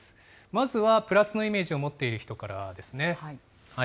まずはプラスのイメージを持っている人からですね。